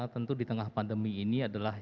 tentu di tengah pandemi ini adalah